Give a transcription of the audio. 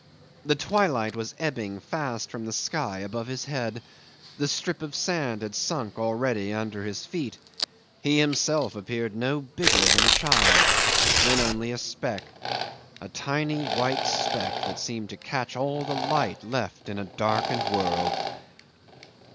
The twilight was ebbing fast from the sky above his head, the strip of sand had sunk already under his feet, he himself appeared no bigger than a child then only a speck, a tiny white speck, that seemed to catch all the light left in a darkened world.